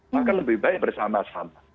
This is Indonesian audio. maka lebih baik bersama sama